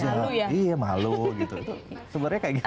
sebetulnya kayak gimana sih sekarang